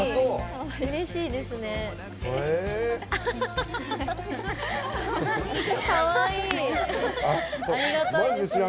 うれしいですね。